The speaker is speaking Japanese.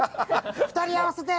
２人合わせて。